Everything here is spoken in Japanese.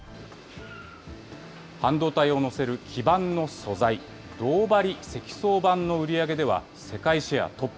半導体を載せる基板の素材、銅張積層板の売り上げでは世界シェアトップ。